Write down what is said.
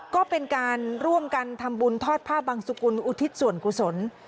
ก็เป็นการร่วมกันทำบุญทอดผ้าบังสุกุลอุทิศส่วนกุศล